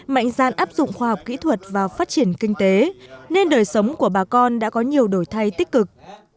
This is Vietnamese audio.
mạnh gian áp dụng khoa học kỹ thuật vào phát triển kinh tế nên đời sống của bà con đã có nhiều đổi thay tích cực